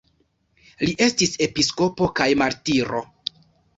Li estis episkopo kaj martiro.